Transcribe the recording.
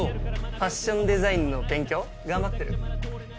ファッションデザインの勉強頑張ってる？